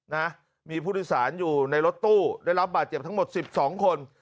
นะมีผู้โดยสารอยู่ในรถตู้ได้รับบาดเจ็บทั้งหมดสิบสองคน